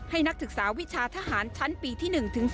นักศึกษาวิชาทหารชั้นปีที่๑๒